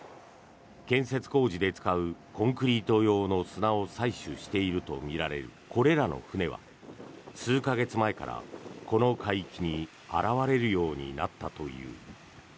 建設工事で使うコンクリート用の砂を採取しているとみられるこれらの船は数か月前から、この海域に現れるようになったという。